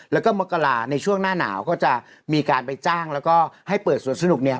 แล้วก็มกราในช่วงหน้าหนาวก็จะมีการไปจ้างแล้วก็ให้เปิดสวนสนุกเนี่ย